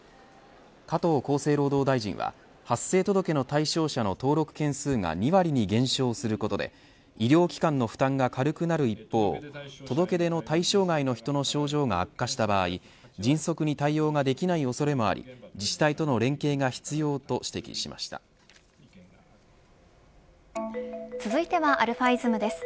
加藤厚生労働大臣は発生届の対象者の登録件数が２割に減少することで医療機関の負担が軽くなる一方届け出の対象外の人の症状が悪化した場合迅速に対応ができない恐れもあり自治体との連携が続いてはαｉｓｍです。